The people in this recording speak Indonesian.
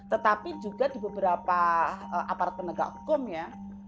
tetapi juga di beberapa aparten nega hukumnya